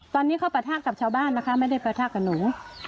ตอนนี้เขาปะทะกับชาวบ้านนะคะไม่ได้ประทะกับหนู